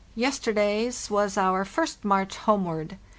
Yesterday's was our first march homeward.